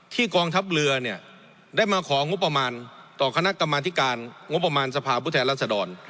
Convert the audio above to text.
กองทัพเรือเนี่ยได้มาของงบประมาณต่อคณะกรรมธิการงบประมาณสภาพผู้แทนรัศดร